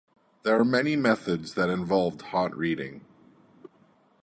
There are many methods that involve hot reading.